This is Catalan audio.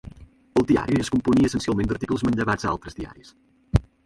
El diari es componia essencialment d'articles manllevats a altres diaris.